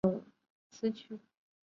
历代刊传的琴谱中还没有此曲。